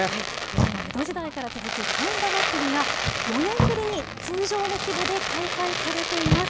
今、江戸時代から続く神田祭が、４年ぶりに通常の規模で開催されています。